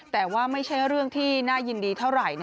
แต่ว่าไม่ใช่เรื่องที่น่ายินดีเท่าไหร่